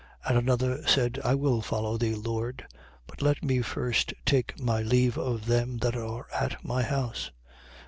9:61. And another said: I will follow thee, Lord; but let me first take my leave of them that are at my house.